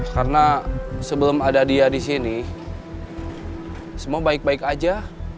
karena sebelum ada dia di sini semua baik baik aja